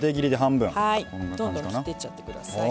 どんどん切っていっちゃってください。